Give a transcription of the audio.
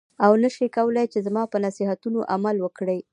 او نه شې کولای چې زما په نصیحتونو عمل وکړې.